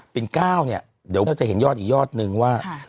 เป็น๙เนี่ยเดี๋ยวเราจะเห็นยอดอีกยอดนึงว่า